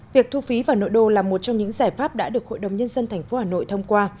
việc thu phí vào nội đô là một trong những giải pháp đã được hội đồng nhân dân tp hà nội thông qua